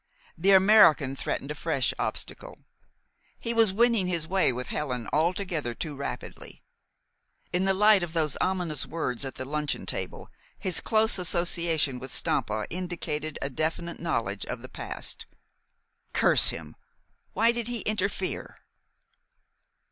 The American threatened a fresh obstacle. He was winning his way with Helen altogether too rapidly. In the light of those ominous words at the luncheon table his close association with Stampa indicated a definite knowledge of the past. Curse him! Why did he interfere?